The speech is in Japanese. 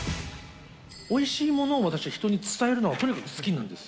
おいしいものを私は人に伝えるのがとにかく好きなんです。